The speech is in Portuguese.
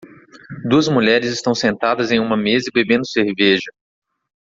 Duas mulheres estão sentadas em uma mesa e bebendo cerveja.